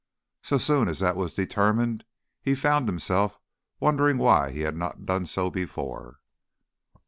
So soon as that was determined, he found himself wondering why he had not done so before.